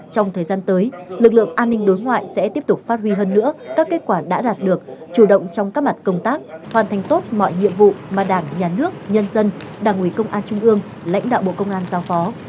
trong thời gian tới lực lượng an ninh đối ngoại sẽ tiếp tục phát huy hơn nữa các kết quả đã đạt được chủ động trong các mặt công tác hoàn thành tốt mọi nhiệm vụ mà đảng nhà nước nhân dân đảng ủy công an trung ương lãnh đạo bộ công an giao phó